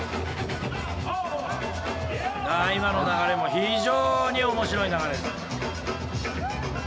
あ今の流れも非常に面白い流れですね。